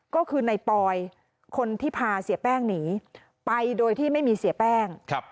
ก็คือในปอยคนที่พาเสียแป้งหนีไปโดยที่ไม่มีเสียแป้ง